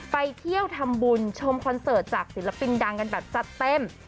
ไปเที่ยวทำบุญชมคอนเสิร์ตจากศิลปินดังกันแบบจัดเต็ม